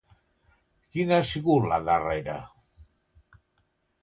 Quina ha sigut la darrera?